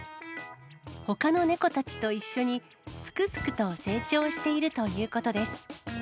ほかの猫たちと一緒に、すくすくと成長しているということです。